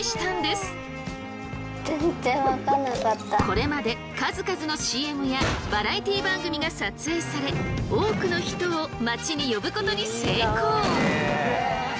これまで数々のＣＭやバラエティー番組が撮影され多くの人を町に呼ぶことに成功！